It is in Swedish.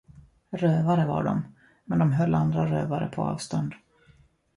Rövare var de, men de höll andra rövare på avstånd.